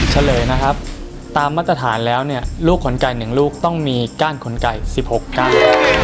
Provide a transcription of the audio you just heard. เฉลยนะครับตามมาตรฐานแล้วเนี่ยลูกขนไก่๑ลูกต้องมีก้านขนไก่๑๖ก้าน